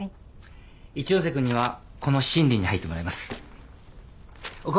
一ノ瀬君にはこの審理に入ってもらいます。